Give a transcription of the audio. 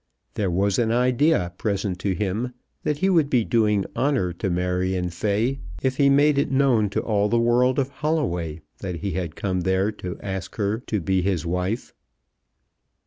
There was an idea present to him that he would be doing honour to Marion Fay if he made it known to all the world of Holloway that he had come there to ask her to be his wife.